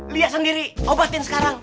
lihat sendiri obatin sekarang